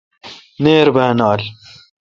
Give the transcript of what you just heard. نیر با نال۔